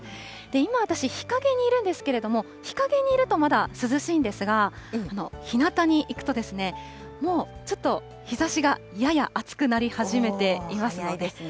今、私、日陰にいるんですけれども、日陰にいるとまだ涼しいんですが、ひなたに行くと、もうちょっと、日ざしがやや暑くなり始めています。